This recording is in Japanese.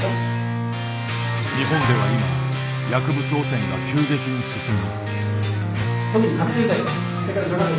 日本では今薬物汚染が急激に進む。